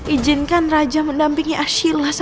ijinkan raja mendampingi arshila sampai dia dewasa